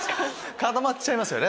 固まっちゃいますよね